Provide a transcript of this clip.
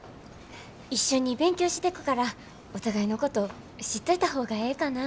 一緒に勉強してくからお互いのこと知っといた方がええかなって。